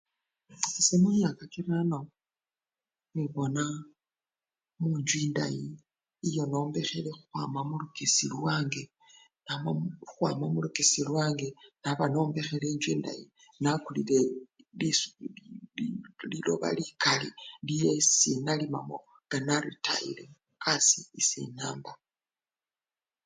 Ese mumyaka kirano nibona munjju endayi yenombekhile khukhwama mulukesi lwange namwe khukhwama mulukesi lwanga naba nombekhele enjju endayi, nakulile liswa lili liloba likali lyesi inalimamo nga naritayile asii esi namba.